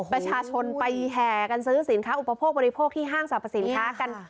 ประชาชนไปแห่กันซื้อสินค้าอุปโภคบริโภคที่ห้างสรรพสินค้ากัน